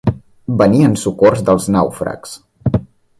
Venir en socors dels nàufrags.